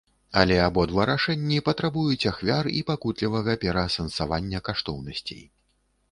Але, абодва рашэнні патрабуюць ахвяр і пакутлівага пераасэнсавання каштоўнасцей.